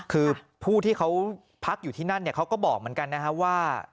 คือผู้ที่เขาพักอยู่ที่นั่นเขาก็บอกเหมือนกันนะครับว่า